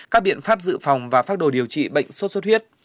các biện pháp dự phòng và phát đồ điều trị bệnh sốt sốt huyết